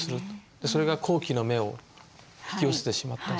それが好奇の目を引き寄せてしまったり。